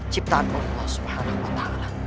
ciptaan allah swt